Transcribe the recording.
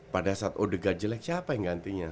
pada saat odegan jelek siapa yang gantinya